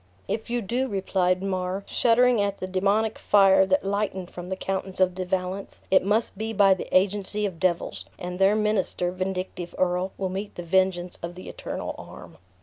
"If you do," replied Mar, shuddering at the demoniac fire that lightened from the countenance of De Valence, "it must be by the agency of devils; and their minister, vindictive earl, will meet the vengeance of the Eternal arm."